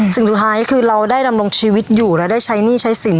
สิ่งสุดท้ายคือเราได้ดำรงชีวิตอยู่และได้ใช้หนี้ใช้สิน